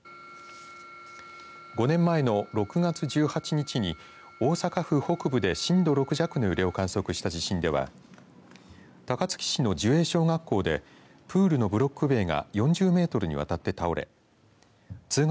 ５年前の６月１８日に大阪府北部で震度６弱の揺れを観測した地震では高槻市の寿栄小学校でプールのブロック塀が４０メートルにわたって倒れ通学